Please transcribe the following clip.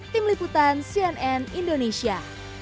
tim liputan cnn indonesia